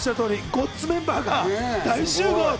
ごっつメンバーが大集合。